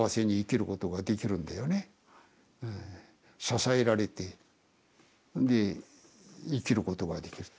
支えられてで生きることができる。